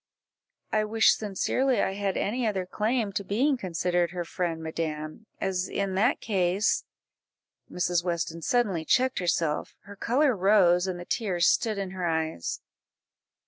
"I wish sincerely I had any other claim to being considered her friend, madam, as in that case " Mrs. Weston suddenly checked herself, her colour rose, and the tears stood in her eyes.